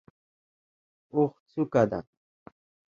اوښ څوکه ده.